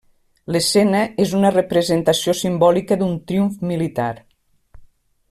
L'escena és una representació simbòlica d'un triomf militar.